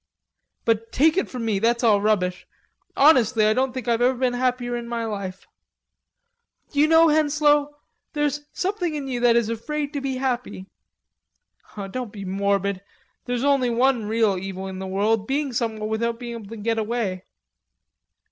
But take it from me, that's all rubbish. Honestly I don't think I've ever been happier in my life.... D'you know, Henslowe, there's something in you that is afraid to be happy." "Don't be morbid.... There's only one real evil in the world: being somewhere without being able to get away